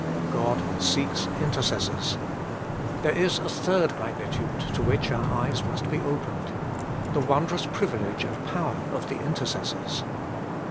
God seeks intercessors. There is a third magnitude to which our eyes must be opened: the wondrous privilege and power of the intercessors.